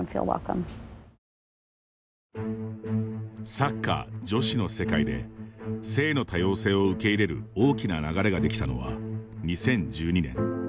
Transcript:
サッカー女子の世界で性の多様性を受け入れる大きな流れができたのは２０１２年。